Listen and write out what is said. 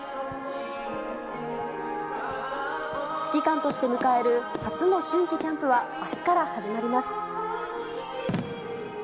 指揮官として迎える初の春季キャンプはあすから始まります。